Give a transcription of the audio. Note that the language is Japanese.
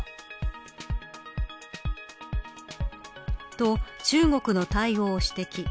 と、中国の対応を指摘。